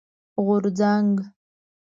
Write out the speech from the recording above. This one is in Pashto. غورځنګ